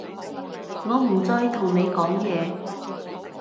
我唔再同你講嘢